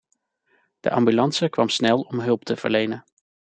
De ambulance kwam snel om hulp te verlenen.